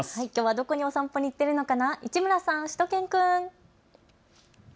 どこにお散歩に行っているのかな、市村さん、しゅと犬くん。